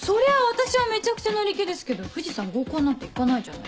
私はめちゃくちゃ乗り気ですけど藤さん合コンなんて行かないじゃない。